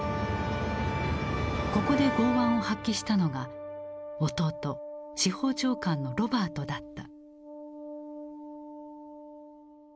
ここで剛腕を発揮したのが弟司法長官のロバートだった。